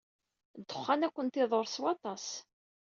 Ddexxan ad kent-iḍurr s waṭas.